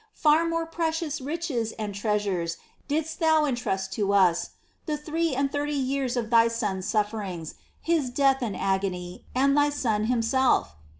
far more precious riches and treasures didst Thou entrust to us — the three and thirty years of Thy Son's sufferings, His death and agony, and Thy Son Himself